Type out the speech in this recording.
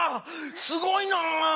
すごいな！